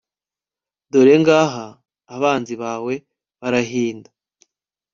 dore ngaha abanzi bawe barahinda